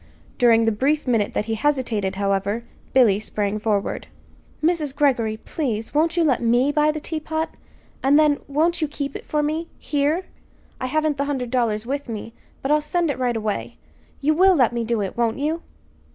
During the brief minute that he hesitated, however, Billy sprang forward. "Mrs. Greggory, please, won't you let me buy the teapot? And then won't you keep it for me here? I haven't the hundred dollars with me, but I'll send it right away. You will let me do it, won't you?"